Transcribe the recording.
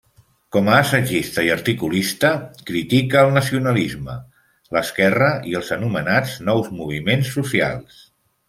Com a assagista i articulista, critica el nacionalisme, l'esquerra i els anomenats nous moviments socials.